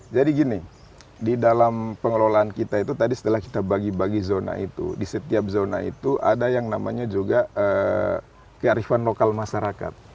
jadi gini di dalam pengelolaan kita itu tadi setelah kita bagi bagi zona itu di setiap zona itu ada yang namanya juga kearifan lokal masyarakat